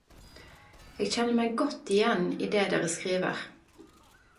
Eg kjenner meg godt igjen i det dere skriver.